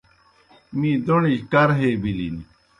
می دوݨِجیْ کَر ہے بِلِن۔